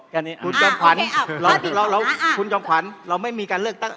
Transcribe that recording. คุณจอมขวัญเราไม่มีการเลือกตั้ง